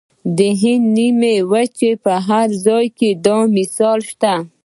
د هند د نیمې وچې په هر ځای کې دا مثالونه شته.